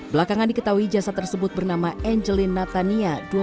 belakangan diketahui jasad tersebut bernama angeline natania